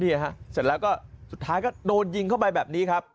เสร็จแล้วก็สุดท้ายก็โดนยิงเข้าไปแบบนี้ครับ